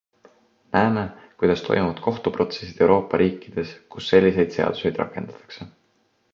Näeme, kuidas toimuvad kohtuprotsessid Euroopa riikides, kus selliseid seaduseid rakendatakse.